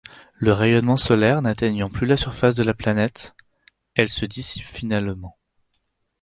Le rayonnement solaire n'atteignant plus la surface de la planète, elles se dissipent finalement.